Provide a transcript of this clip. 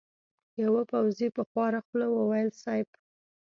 يوه پوځي په خواره خوله وويل: صېب!